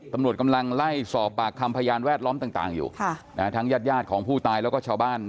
ตำรวจกำลังไล่สอบปากคำพยานแวดล้อมต่างอยู่ทั้งญาติของผู้ตายแล้วก็ชาวบ้าน